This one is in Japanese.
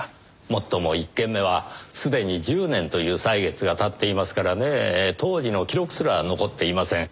もっとも１件目はすでに１０年という歳月が経っていますからねぇ当時の記録すら残っていません。